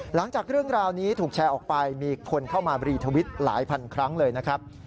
หลังจากเรื่องราวนี้ถูกแชร์ออกไปมีคนเข้ามารีทวิตหลายพันครั้งเลยนะครับ